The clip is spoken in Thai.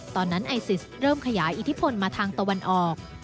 ไอซิสเริ่มขยายอิทธิพลมาทางตะวันออก